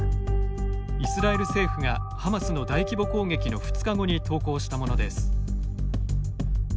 イスラエル政府がハマスの大規模攻撃の２日後に投稿したものです。